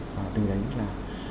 và từ đấy là